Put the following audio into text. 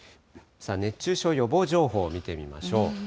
熱中症予防情報を見てみましょう。